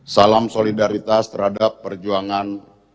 salam solidaritas terhadap perjuangan